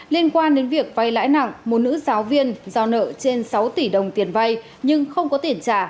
liên quan đến việc vay lãi nặng một nữ giáo viên do nợ trên sáu tỷ đồng tiền vay nhưng không có tiền trả